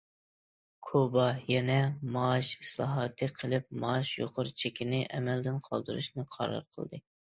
كۇبا يەنە مائاش ئىسلاھاتى قىلىپ، مائاش يۇقىرى چېكىنى ئەمەلدىن قالدۇرۇشنى قارار قىلدى.